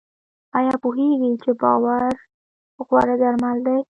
ایا پوهیږئ چې باور غوره درمل دی؟